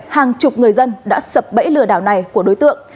hàng chục người dân đã sập bẫy lừa đảo này của đối tượng